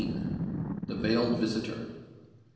THE VEILED VISITOR. Mr.